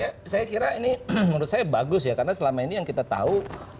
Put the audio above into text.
saya kira ini menurut saya bagus ya karena selama ini yang kita tahu